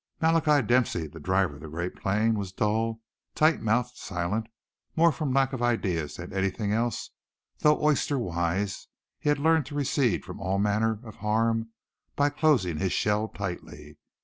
Malachi Dempsey, the driver of the great plane, was dull, tight mouthed, silent, more from lack of ideas than anything else, though oyster wise he had learned to recede from all manner of harm by closing his shell tightly.